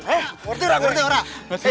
nerti bang nerti bang